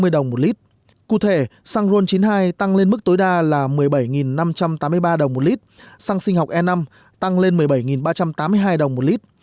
đồng cụ thể xăng ron chín mươi hai tăng lên mức tối đa là một mươi bảy năm trăm tám mươi ba đồng một lít xăng sinh học e năm tăng lên một mươi bảy ba trăm tám mươi hai đồng một lít